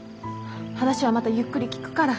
話はまたゆっくり聞くから。